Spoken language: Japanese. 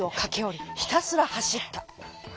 ひたすらはしった。